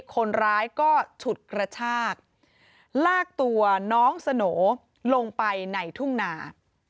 คนร้ายก็ฉุดกระชากลากตัวน้องสโหน่ลงไปในทุ่งนา